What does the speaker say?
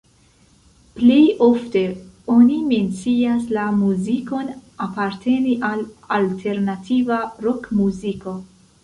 Plej ofte oni mencias la muzikon aparteni al alternativa rokmuziko.